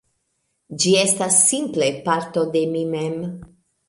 Ĝi estas simple parto de mi mem